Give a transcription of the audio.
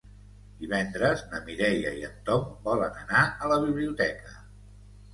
Divendres na Mireia i en Tom volen anar a la biblioteca.